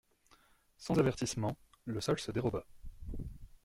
Sans avertissement, le sol se déroba.